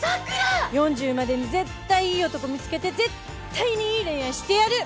４０までに絶対いい男見つけて絶対にいい恋愛してやる。